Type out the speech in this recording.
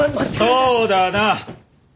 そうだな！